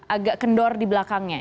agak kendor di belakangnya